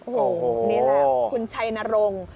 โอ้โหนี่แหละคุณชัยนรงค์